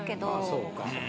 そうか。